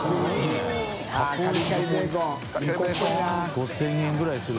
５０００円ぐらいする？